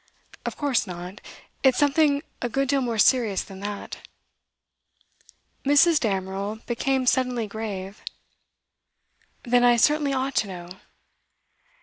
'Of course not. It's something a good deal more serious than that.' Mrs. Damerel became suddenly grave. 'Then I certainly ought to know.